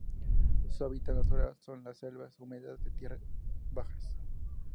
Su hábitat natural son las selvas húmedas de tierras bajas.